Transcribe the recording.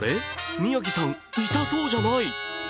宮城さん、痛そうじゃない。